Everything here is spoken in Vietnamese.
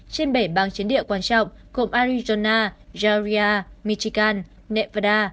trên bảy bang chiến địa quan trọng gồm arizona georgia michigan nevada